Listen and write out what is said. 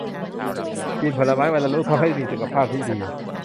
กินผลไม้วันละลูกทำให้มีสุขภาพที่ดี